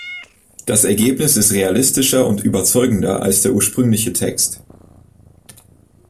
Das Ergebnis ist realistischer und überzeugender als der ursprüngliche Text.